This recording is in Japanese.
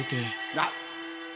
なっ。